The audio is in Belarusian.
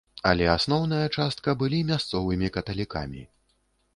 Але асноўная частка былі мясцовымі каталікамі.